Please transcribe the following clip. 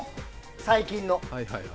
最近の。